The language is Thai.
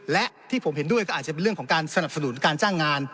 และที่ผมเห็นด้วยก็อาจจะเป็นเรื่องของการสนับสนุนการจ้างงาน